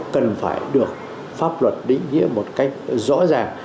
cần phải được pháp luật định nghĩa một cách rõ ràng